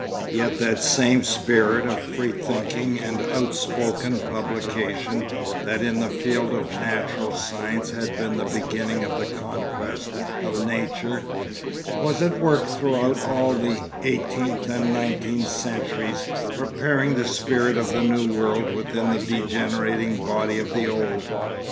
Yet that same spirit of free thinking and outspoken publication that in the field of natural science had been the beginning of the conquest of nature, was at work throughout all the eighteenth and nineteenth centuries preparing the spirit of the new world within the degenerating body of the old.